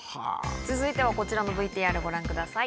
続いてはこちらのＶＴＲご覧ください。